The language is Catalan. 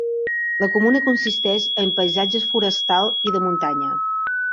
La comuna consisteix en paisatge forestal i de muntanya.